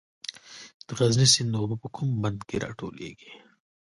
د غزني سیند اوبه په کوم بند کې راټولیږي؟